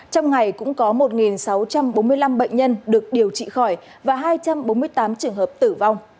trong ngày cũng có một sáu trăm bốn mươi năm bệnh nhân được điều trị khỏi và hai trăm bốn mươi tám trường hợp tử vong